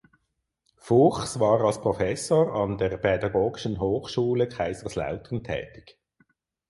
Fuchs war als Professor an der Pädagogischen Hochschule Kaiserslautern tätig.